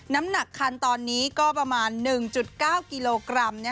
น้ำหนักคันตอนนี้ก็ประมาณ๑๙กิโลกรัม